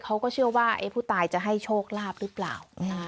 เขาก็เชื่อว่าผู้ตายจะให้โชคลาภหรือเปล่า